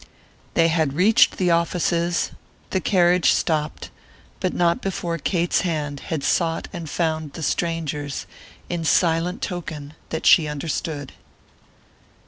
They had reached the offices; the carriage stopped, but not before Kate's hand had sought and found the stranger's in silent token that she understood.